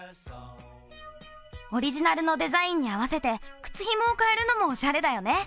オリジナルのデザインに合わせて靴ひもを変えるのもおしゃれだよね。